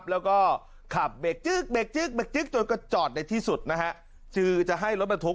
แล้วก็ขับเบรกจึ๊กบอกจะจอดได้ที่สุดนะฮะจะให้รถบรรทุก